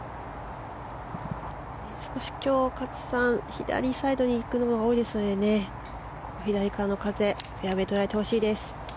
少し今日、勝さん左サイドに行くのが多いので左からの風フェアウェー捉えてほしい。